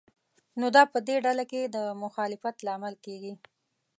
نو دا په دې ډله کې د مخالفت لامل کېږي.